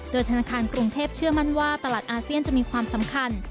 โดยธนาคารกรุงเทพเชื่อมั่นว่าตลาดอาเซียนจะมีความสำคัญ